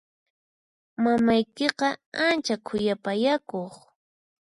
Mamaykiqa ancha khuyapayakuq.